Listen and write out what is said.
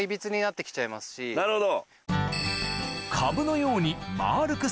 なるほど。